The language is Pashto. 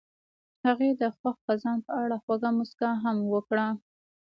هغې د خوښ خزان په اړه خوږه موسکا هم وکړه.